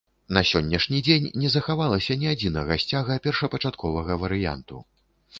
На сённяшні дзень не захавалася ні адзінага сцяга першапачатковага варыянту.